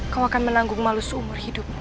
kau akan menanggung malu seumur hidupmu